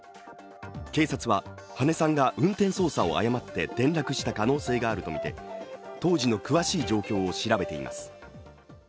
警察は羽根さんが運転操作を誤って転落した可能性があるとみて当時の詳しい状況を調べています。